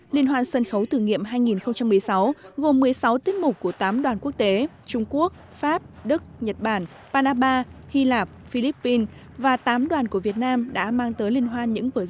liên hoan sân khấu quốc tế thử nghiệm lần thứ ba